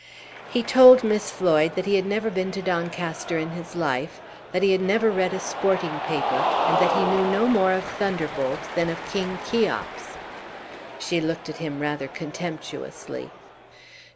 He told Miss Floyd that he had never been to Doncaster in his life, that he had never read a sporting paper, and that he knew no more of Thunderbolt than of King Cheops. She looked at him rather contemptuously.